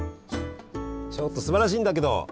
ちょっとすばらしいんだけど。